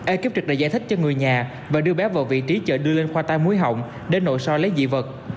ekip trực đã giải thích cho người nhà và đưa bé vào vị trí chợ đưa lên khoa tai mũi họng để nội soi lấy dị vật